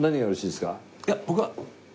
いや僕は。